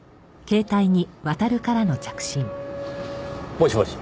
もしもし。